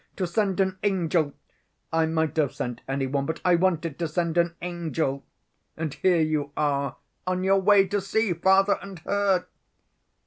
To send an angel. I might have sent any one, but I wanted to send an angel. And here you are on your way to see father and her."